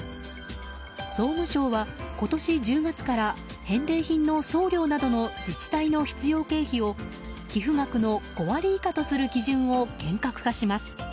総務省は今年１０月から返礼品の送料などの自治体の必要経費を寄付額の５割以下とする基準を厳格化します。